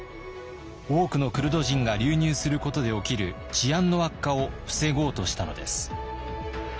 多くのクルド人が流入することで起きる治安の悪化を防ごうとしたのです。